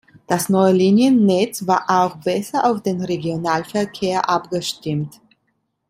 Das neue Liniennetz war auch besser auf den Regionalverkehr abgestimmt.